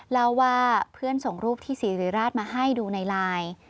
แล้วว่าเพื่อนส่งรูปที่สีรีราชมาให้ดูในลาย